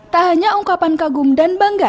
tak hanya ungkapan kagum dan bangga